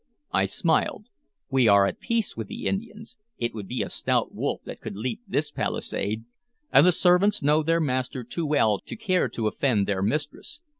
I smiled. "We are at peace with the Indians; it would be a stout wolf that could leap this palisade; and the servants know their master too well to care to offend their mistress.